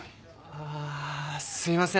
あすいません